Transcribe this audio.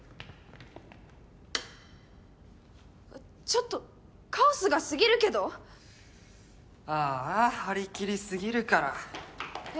ちょっとカオスが過ぎるけどあーあ張り切りすぎるからえっなんで？